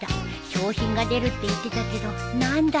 賞品が出るって言ってたけど何だろう